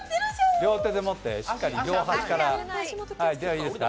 両手で持ってしっかり両端から、いいですか？